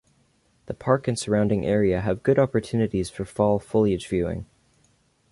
The park and surrounding area have good opportunities for fall foliage-viewing.